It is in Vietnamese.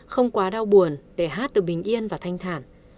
không quá đau buồn để hát được bình yên và thanh thản